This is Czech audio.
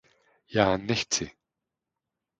Já nechci!